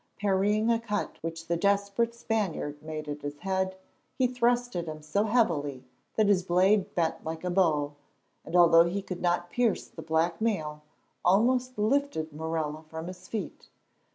Parrying a cut which the desperate Spaniard made at his head, he thrust at him so heavily that his blade bent like a bow, and, although he could not pierce the black mail, almost lifted Morella from his feet.